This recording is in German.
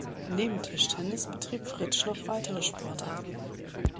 Neben Tischtennis betrieb Fritsch noch weitere Sportarten.